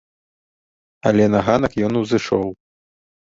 Але на ганак ён узышоў.